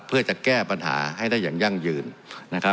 เพื่อจะแก้ปัญหาให้ได้อย่างยั่งยืนนะครับ